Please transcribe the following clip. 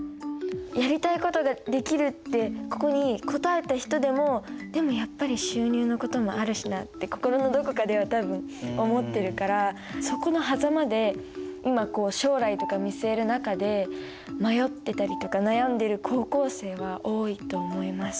「やりたいことができる」ってここに答えた人でも「でもやっぱり収入のこともあるしな」って心のどこかでは多分思ってるからそこのはざまで今将来とか見据える中で迷ってたりとか悩んでる高校生は多いと思います。